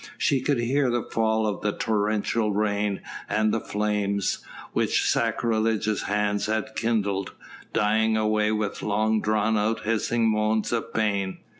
She could hear the fall of the torrential rain, and the flames, which sacrilegious hands had kindled, dying away with long drawn out hissing moans of pain.